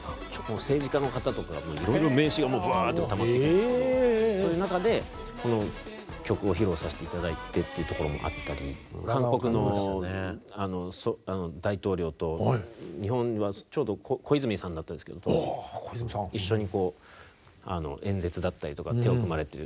政治家の方とかいろいろ名刺がぶわっとたまっていくんですけどそういう中でこの曲を披露させて頂いてっていうところもあったり韓国の大統領と日本は小泉さんだったんですけど一緒に演説だったりとか手を組まれてる。